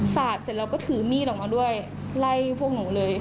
สาดเสร็จแล้วก็ถือมีดออกมาด้วยไล่พวกหนูเลย